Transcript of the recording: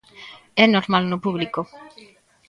É normal no público.